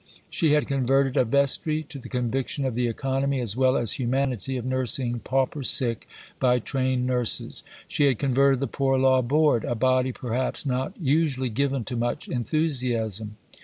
She had converted a vestry to the conviction of the economy as well as humanity of nursing pauper sick by trained nurses. She had converted the Poor Law Board a body, perhaps, not usually given to much enthusiasm.